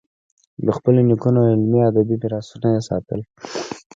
د خپلو نیکونو علمي، ادبي میراثونه یې ساتل.